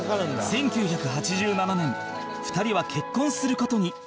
１９８７年２人は結婚する事に